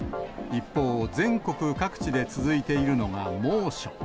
一方、全国各地で続いているのが猛暑。